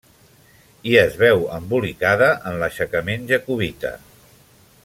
I es veu embolicada en l'aixecament jacobita.